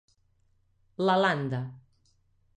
La landa.